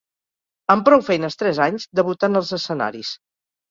Amb prou feines tres anys, debutà en els escenaris.